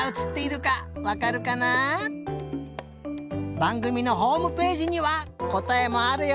ばんぐみのホームページにはこたえもあるよ！